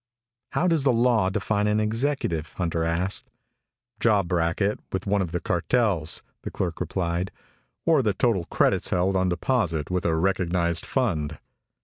"How does the law define an executive?" Hunter asked. "Job bracket with one of the cartels," the clerk replied. "Or the total credits held on deposit with a recognized fund."